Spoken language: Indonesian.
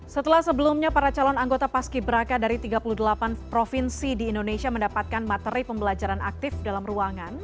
setelah sebelumnya para calon anggota paski beraka dari tiga puluh delapan provinsi di indonesia mendapatkan materi pembelajaran aktif dalam ruangan